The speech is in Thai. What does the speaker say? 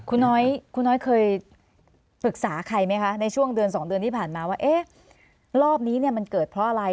คุณน้อยคุณน้อยเคยปรึกษาใครไหมคะในช่วงเดือน๒เดือนที่ผ่านมาว่าเอ๊ะรอบนี้เนี่ยมันเกิดเพราะอะไร